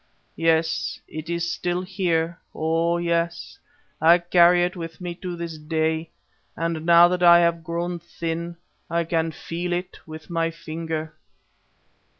Yet, it is still here; oh! yes, I carry it with me to this day, and now that I have grown thin I can feel it with my finger."